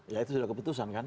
ya itu sudah keputusan kan